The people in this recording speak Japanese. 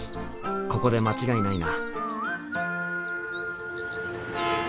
ここで間違いないな。